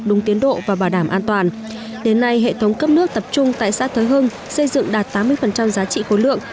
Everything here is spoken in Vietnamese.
đúng tiến độ và bảo đảm an toàn đến nay hệ thống cấp nước tập trung tại xã thới hưng xây dựng đạt tám mươi giá trị khối lượng